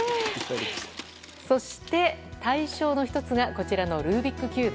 そして、大賞の１つがこちらのルービックキューブ。